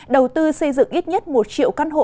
đầu tư xây dựng ít nhất một triệu căn hộ